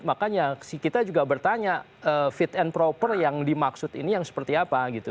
makanya kita juga bertanya fit and proper yang dimaksud ini yang seperti apa gitu